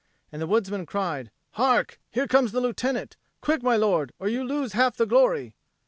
And the woodsman cried, "Hark! Here comes the Lieutenant. Quick, my lord, or you lose half the glory!"